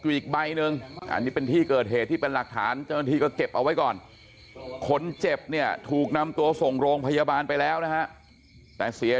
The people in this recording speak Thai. อีกใบหนึ่งอันนี้เป็นที่เกิดเหตุที่เป็นหลักฐานเจ้าหน้าที่ก็เก็บเอาไว้ก่อนคนเจ็บเนี่ยถูกนำตัวส่งโรงพยาบาลไปแล้วนะฮะแต่เสีย